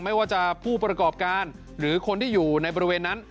ไม่ว่าจะผู้ประกอบการหรือคนที่อยู่ในบริเวณนั้น